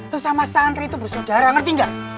sesama santri itu bersaudara ngerti nggak